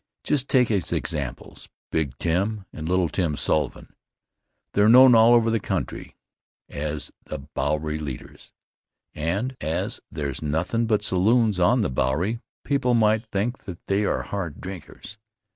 Just take as examples "Big Tim" and "Little Tim" Sullivan. They're known all over the country as the Bowery leaders and, as there's nothin' but saloons on the Bowery, people might think that they are hard drinkers.